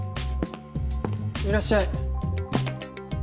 いらっしゃい。